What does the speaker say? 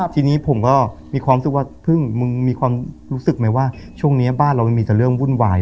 ที่นี้ผมก็มีความรู้สึกว่าช่วงนี้บ้านเรามีแต่เรื่องวุ่นวาย